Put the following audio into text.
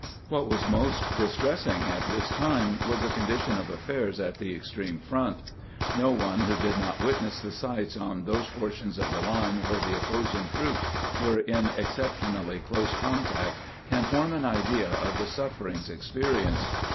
What was most distressing at this time was the con dition of affairs at the extreme front. No one who did not witness the sights on those portions of the line where the opposing troops were in exceptionally close contact can form an idea of the sufferings experienced.